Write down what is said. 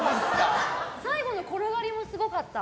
最後の転がりもすごかった。